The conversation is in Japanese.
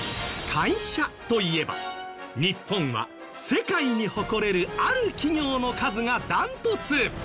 会社といえば日本は世界に誇れるある企業の数がダントツ。